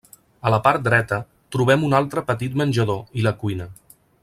A la part dreta, trobem un altre petit menjador i la cuina.